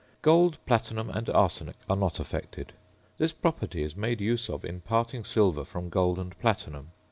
Gold, platinum, and arsenic are not affected. This property is made use of in parting silver from gold and platinum.